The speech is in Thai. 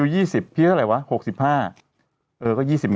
พี่เขาบวกเลขละเป็น๗๐